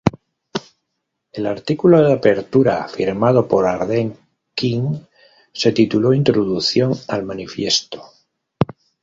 El artículo de apertura, firmado por Arden Quin, se tituló “Introducción al manifiesto.